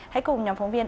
hãy cùng nhóm phóng viên